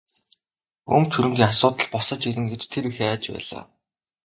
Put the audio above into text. Өмч хөрөнгийн асуудал босож ирнэ гэж тэр их айж байлаа.